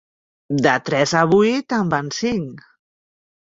De tres a vuit en van cinc.